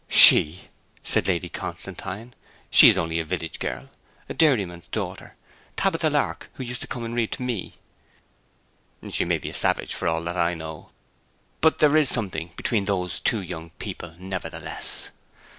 'She!' said Lady Constantine. 'She is only a village girl, a dairyman's daughter, Tabitha Lark, who used to come to read to me.' 'She may be a savage, for all that I know: but there is something between those two young people, nevertheless.'